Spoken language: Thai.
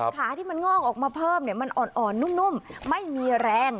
ขาที่มันงอกออกมาเพิ่มมันอ่อนนุ่มไม่มีแรง